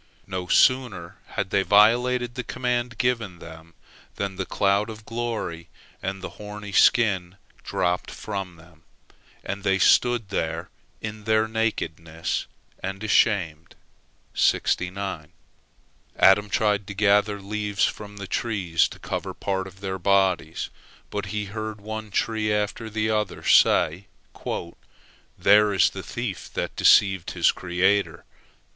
No sooner had they violated the command given them than the cloud of glory and the horny skin dropped from them, and they stood there in their nakedness, and ashamed. Adam tried to gather leaves from the trees to cover part of their bodies, but he heard one tree after the other say: "There is the thief that deceived his Creator.